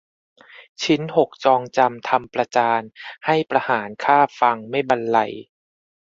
ชิ้นหกจองจำทำประจาน ให้ประหารฆ่าฟังไม่บรรไลย